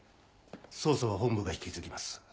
捜査は本部が引き継ぎます。